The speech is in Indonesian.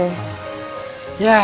ya tau gitu ya